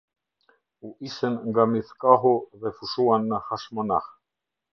U isën nga Mithkahu dhe fushuan në Hashmonah.